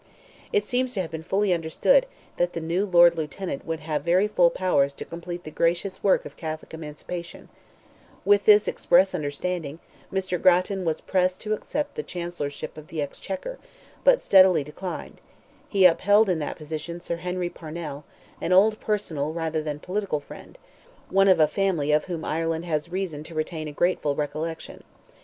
It seems to have been fully understood that the new Lord Lieutenant would have very full powers to complete the gracious work of Catholic emancipation: with this express understanding, Mr. Grattan was pressed to accept the Chancellorship of the Exchequer, but steadily declined; he upheld in that position Sir Henry Parnell, an old personal, rather than political friend, one of a family of whom Ireland has reason to retain a grateful recollection.